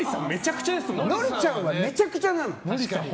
ノリさんはめちゃくちゃなの。